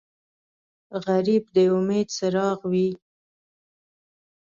غریب د امید څراغ وي